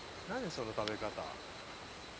その食べ方。